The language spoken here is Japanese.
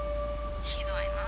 ひどいな。